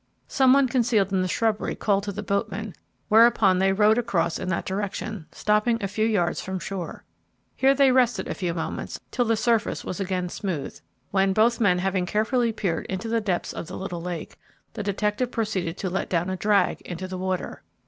Some one concealed in the shrubbery called to the boatmen, whereupon they rowed across in that direction, stopping a few yards from shore. Here they rested a few moments till the surface was again smooth, when, both men having carefully peered into the depths of the little lake, the detective proceeded to let down a drag into the water.